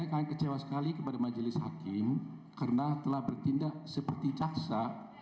dan saya akan kecewa sekali kepada majelis hakim karena telah bertindak seperti jaksa